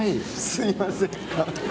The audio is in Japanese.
すいません。